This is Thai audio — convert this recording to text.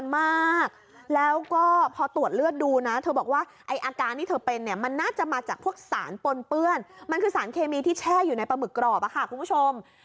มากแล้วก็พอตรวจเลือดดูนะเธอบอกว่าไอ้อาการที่เธอเป็นเนี่ยมันน่าจะมาจากพวกสารปนเปื้อนมันคือสารเคมีที่แช่อยู่ในปลาหมึกกรอบอะค่ะคุณผู้ชม